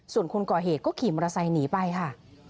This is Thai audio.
ส่วนคนก่อเหตุก็ขี่มอเตอร์ไซค์หนีไปค่ะ